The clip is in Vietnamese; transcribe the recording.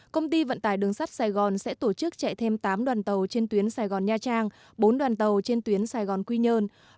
công ty vận tải đường sắt sài gòn sẽ tổ chức chạy thêm tám đoàn tàu trên tuyến sài gòn nha trang bốn đoàn tàu trên tuyến sài gòn quy nhơn